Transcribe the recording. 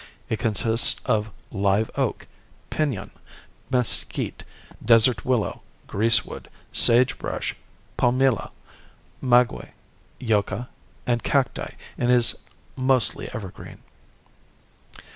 It consists of live oak, pinion, mesquite, desert willow, greasewood, sage brush, palmilla, maguey, yucca and cacti and is mostly evergreen.